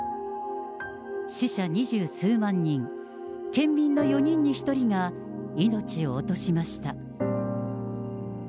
死者二十数万人、県民の４人に１人が命を落としました。